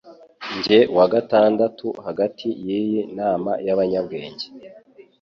njye wa gatandatu hagati yiyi nama yabanyabwenge